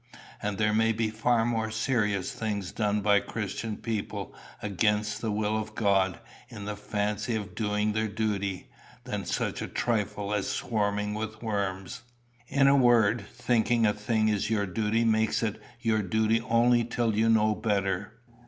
And there may be far more serious things done by Christian people against the will of God, in the fancy of doing their duty, than such a trifle as swarming with worms. In a word, thinking a thing is your duty makes it your duty only till you know better.